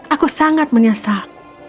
aku sangat menyesal